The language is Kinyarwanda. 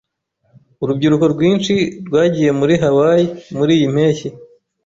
Urubyiruko rwinshi rwagiye muri Hawaii muriyi mpeshyi.